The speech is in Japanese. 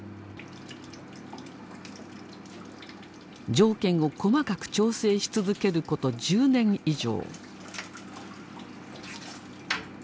条件を細かく調整し続けること１０年以上。